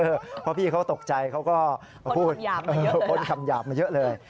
เพราะพี่เขาตกใจเขาก็พูดพ้นคำหยาบมาเยอะเลย